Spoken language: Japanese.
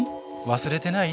忘れてない？